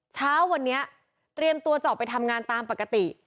เช้าวันนี้เตรียมตัวจะออกไปทำงานตามปกติ